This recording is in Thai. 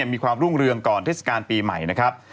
มีความรุ่งเรืองก่อนเทศกาลปีใหม่นะครับ